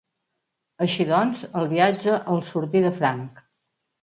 Així doncs, el viatge els sortí de franc.